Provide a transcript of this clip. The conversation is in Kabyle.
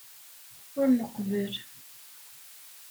Ur nqebbel.